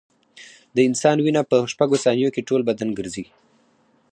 د انسان وینه په شپږو ثانیو کې ټول بدن ګرځي.